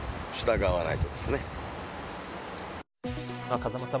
風間さん